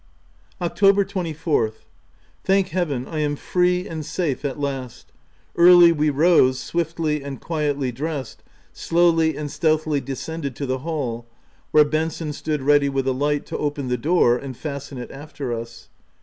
October 24th. — Thank Heaven, I am free and safe at last !— Early we rose, swiftly and quietly dressed, slowly and stealthily descended to the hall, where Benson stood ready with a light to open the door and fasten it after us.